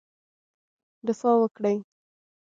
دفاع وکړی.